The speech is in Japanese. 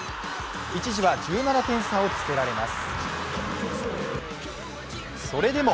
一時は１７点差をつけられます。